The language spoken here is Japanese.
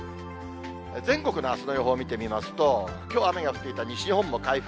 全国のあすの予報見てみますと、きょうは雨が降っていた西日本も回復。